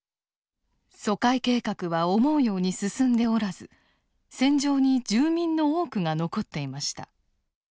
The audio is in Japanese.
疎開計画は思うように進んでおらず戦場に住民の多くが残っていました。